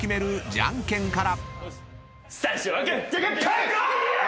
じゃんけんぽい！